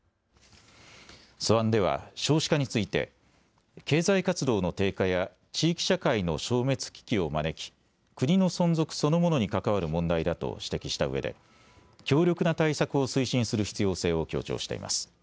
素案では少子化について経済活動の低下や地域社会の消滅危機を招き国の存続そのものに関わる問題だと指摘したうえで強力な対策を推進する必要性を強調しています。